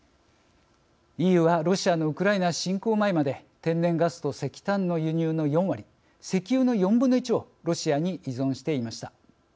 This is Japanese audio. ＥＵはロシアのウクライナ侵攻前まで天然ガスと石炭の輸入の４割石油の４分の１をロシアに依存していました。